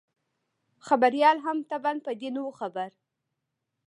خبریال هم طبعاً په دې نه وو خبر.